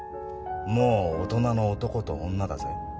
もう大人の男と女だぜ。